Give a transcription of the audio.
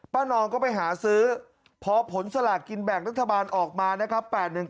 นองก็ไปหาซื้อพอผลสลากกินแบ่งรัฐบาลออกมานะครับ